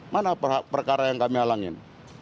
mana perkara yang kami halangin